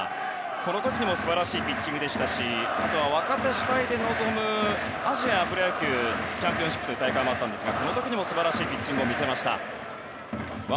その時も素晴らしいピッチングでしたしあとは、若手主体で臨むアジアプロ野球チャンピオンシップという大会があったんですがこの時も素晴らしいピッチングを見せました。